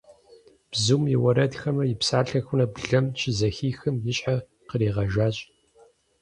Бзум и уэрэдхэмрэ и псалъэхэмрэ блэм щызэхихым, и щхьэр къригъэжащ.